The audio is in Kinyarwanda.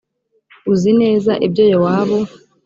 uzi neza ibyo yowabu